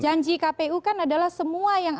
janji kpu kan adalah semua yang